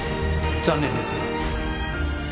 残念ですが。